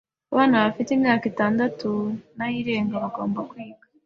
Abana bafite imyaka itandatu nayirenga bagomba kwiga.